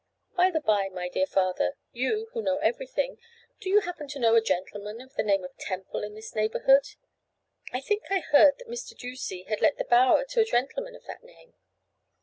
'By the bye, my dear father, you, who know everything, do you happen to know a gentleman of the name of Temple in this neighbourhood?' 'I think I heard that Mr. Ducie had let the Bower to a gentleman of that name.